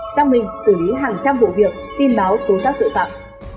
sang mình xử lý hàng trăm vụ việc tin báo tố giác tội phạm